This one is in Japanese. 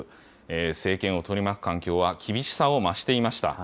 政権を取り巻く環境は厳しさを増していました。